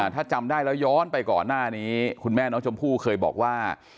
ถ้าจำได้แล้วย้อนไปก่อนหน้านี้คุณแม่น้องชมพู่เคยบอกว่า